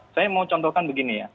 saya mau contohkan begini ya